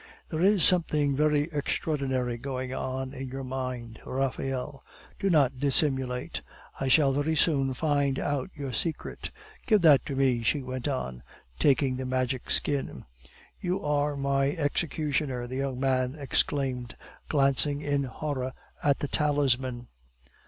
"There is something very extraordinary going on in your mind, Raphael! Do not dissimulate. I shall very soon find out your secret. Give that to me," she went on, taking the Magic Skin. "You are my executioner!" the young man exclaimed, glancing in horror at the talisman.